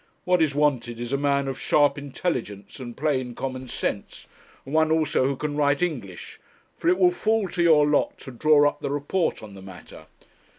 What is wanted is a man of sharp intelligence and plain common sense, and one also who can write English; for it will fall to your lot to draw up the report on the matter.